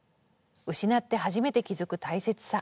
失って初めて気付く大切さ。